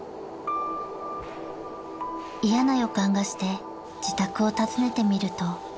［嫌な予感がして自宅を訪ねてみると］